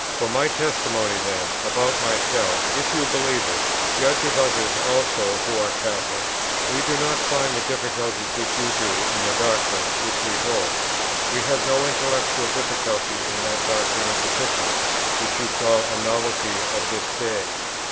From my testimony then about myself, if you believe it, judge of others also who are Catholics: we do not find the difficulties which you do in the doctrines which we hold; we have no intellectual difficulty in that doctrine in particular, which you call a novelty of this day.